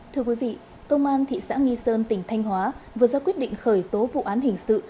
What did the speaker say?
thưa quý vị công an thị xã nghi sơn tỉnh thanh hóa vừa ra quyết định khởi tố vụ án hình sự